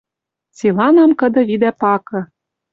Силанам кыды видӓ пакы.